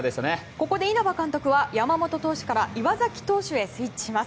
ここで稲葉監督は山本投手から岩崎投手にスイッチします。